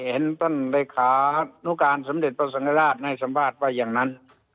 เห็นต้อเลขานุการสมเดตสังหราชในสัมภาษณ์ว่าอย่างนั้น